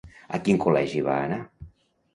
A quin col·legi va anar?